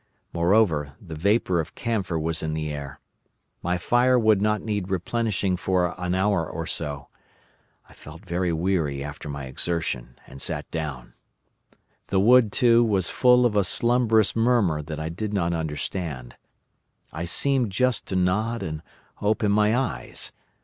Moreover, the vapour of camphor was in the air. My fire would not need replenishing for an hour or so. I felt very weary after my exertion, and sat down. The wood, too, was full of a slumbrous murmur that I did not understand. I seemed just to nod and open my eyes.